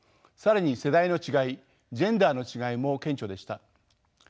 更に世代の違いジェンダーの違いも顕著でした。